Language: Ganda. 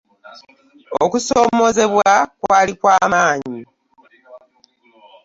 Okusomozebwa kwali kwa maanyi.